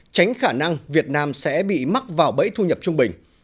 tránh khả năng việt nam sẽ bị mắc vào bẫy thu nhập trung bình